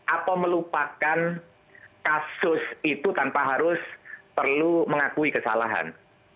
atau melupakan kasus itu tanpa harus perlu mengakui kesalahan